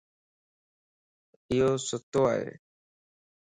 ايو سُتوائي